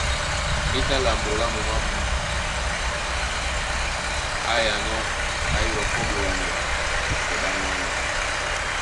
É tá lambo lá momé ábū á yánɔ̄ á yɔkɔ́ ɓolanɛ tɔ ɗaŋgwanɛ.